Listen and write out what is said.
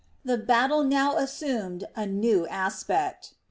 The battle now assumed a new aspect.